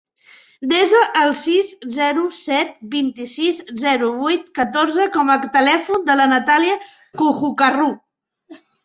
Desa el sis, zero, set, vint-i-sis, zero, vuit, catorze com a telèfon de la Natàlia Cojocaru.